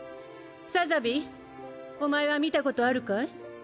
サザビーお前は見たことあるかい？